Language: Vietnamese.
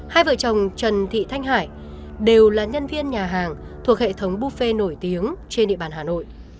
hai vợ chồng trần thị thanh hải đều là nhân viên nhà hàng thuộc hệ thống buffe nổi tiếng trên địa bàn hà nội